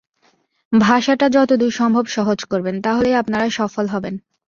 ভাষাটা যতদূর সম্ভব সহজ করবেন, তা হলেই আপনারা সফল হবেন।